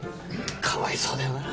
かわいそうだよなあ